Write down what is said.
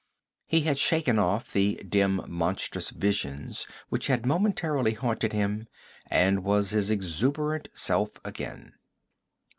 He had shaken off the dim monstrous visions which had momentarily haunted him, and was his exuberant self again.